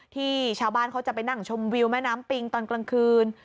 ที่ชาวบ้านเขาจะไปนั่งชมวิวแม่น้ำปิงตอนกลางคืน